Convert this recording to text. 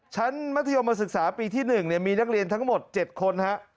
มัธยมศึกษาปีที่๑มีนักเรียนทั้งหมด๗คนฮะ